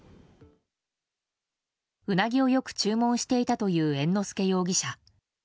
うなぎをよく注文していたという猿之助容疑者。